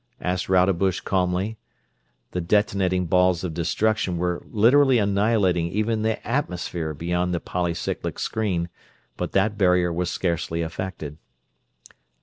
asked Rodebush, calmly. The detonating balls of destruction were literally annihilating even the atmosphere beyond the polycyclic screen, but that barrier was scarcely affected.